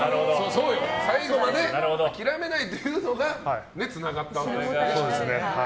最後まで諦めないっていうのがつながったわけですね。